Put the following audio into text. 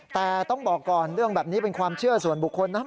แต่ต้องบอกก่อนเรื่องแบบนี้เป็นความเชื่อส่วนบุคคลนะครับ